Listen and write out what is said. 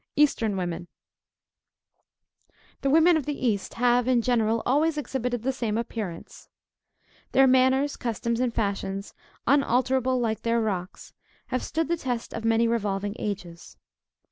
EASTERN WOMEN. The women of the East, have in general, always exhibited the same appearance. Their manners, customs, and fashions, unalterable like their rocks, have stood the test of many revolving ages.